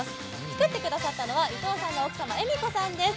作ってくださったのは伊藤さんの奥様です。